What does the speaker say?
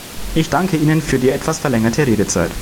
Ich danke Ihnen für die etwas verlängerte Redezeit.